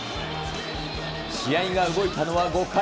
試合が動いたのは５回。